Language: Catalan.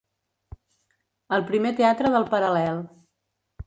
El primer teatre del Paral·lel.